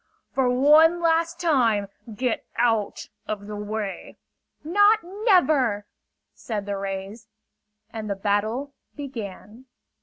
"For one last time, get out of the way!" "Not never!" said the rays. And the battle began.